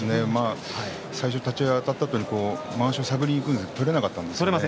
立ち合いあたったあとにまわしを探りにいったけど取れなかったんですね。